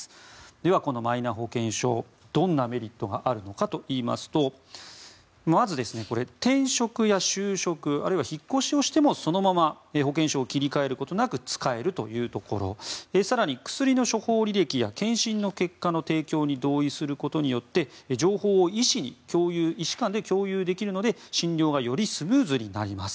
では、このマイナ保険証どんなメリットがあるのかといいますとまず、転職や就職あるいは引っ越しをしてもそのまま保険証を切り替えることなく使えるというところ更に、薬の処方履歴や検診の結果の提供に同意することによって情報を医師間で共有できるので診療がよりスムーズになります。